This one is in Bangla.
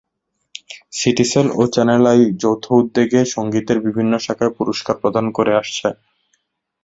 সিটিসেল ও চ্যানেল আই যৌথ উদ্যোগে সংগীতের বিভিন্ন শাখায় পুরস্কার প্রদান করে আসছে।